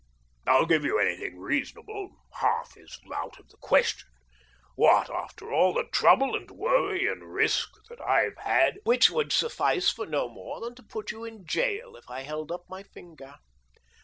I'll give you anything reasonable — half is out of the question. What, after all the trouble and worry and risk that I've had "" Which would suffice for no more than to put you in gaol if I held up my finger